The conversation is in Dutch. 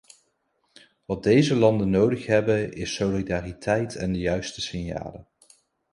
Wat deze landen nodig hebben, is solidariteit en de juiste signalen.